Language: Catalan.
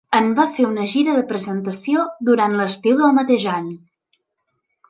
En va fer una gira de presentació durant l'estiu del mateix any.